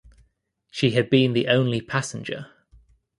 She had been the only passenger.